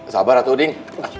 sabar atu uding